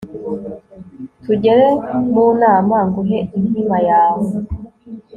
tugere mu nama nguhe inkima yawe